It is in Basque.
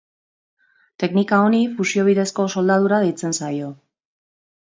Teknika honi fusio bidezko soldadura deitzen zaio.